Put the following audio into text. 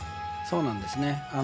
そうなんですね。